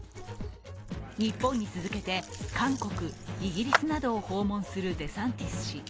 日本に続けて、韓国、イギリスなどを訪問するデサンティス氏。